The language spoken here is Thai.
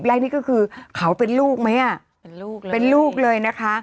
๑๒๐ไร่นี่ก็คือเขาเป็นลูกไหมอ่ะเป็นลูกเลยนะคะ